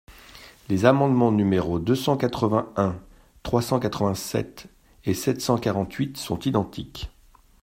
Les amendements numéros deux cent quatre-vingt-un, trois cent quatre-vingt-sept et sept cent quarante-huit sont identiques.